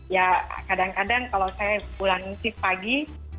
ya kadang kadang kalau saya bulan shift pagi